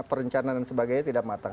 perencanaan dan sebagainya tidak matang